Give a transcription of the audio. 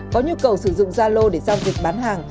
có nhu cầu sử dụng zalo để giao dịch bán hàng